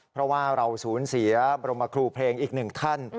เพราะว่าเราสูญเสียบรมครูเพลงอีกหนึ่งท่าน